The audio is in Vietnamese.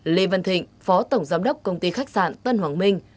lê văn thịnh phó tổng giám đốc công ty khách sạn tân hoàng minh